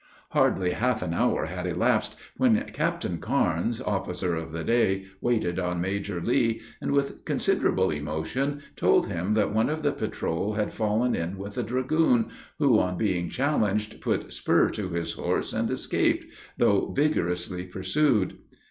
Hardly half an hour had elapsed, when Captain Carnes, officer of the day, waited on Major Lee, and, with considerable emotion, told him that one of the patrol had fallen in with a dragoon, who, on being challenged, put spur to his horse, and escaped, though vigorously pursued.